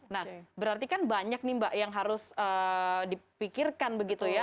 nah berarti kan banyak nih mbak yang harus dipikirkan begitu ya